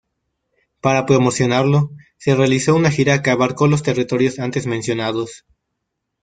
Para promocionarlo, se realizó una gira que abarcó los territorios antes mencionados.